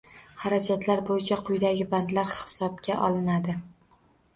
Xarajatlar bo'yicha quyidagi bandlar hisobga olinadi: